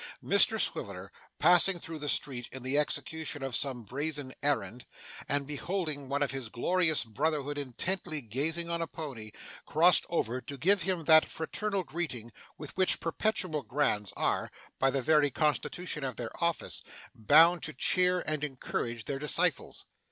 Mr Swiveller, passing through the street in the execution of some Brazen errand, and beholding one of his Glorious Brotherhood intently gazing on a pony, crossed over to give him that fraternal greeting with which Perpetual Grands are, by the very constitution of their office, bound to cheer and encourage their disciples.